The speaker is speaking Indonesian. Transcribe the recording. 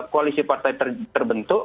koalisi partai terbentuk